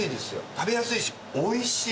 食べやすいしおいしい。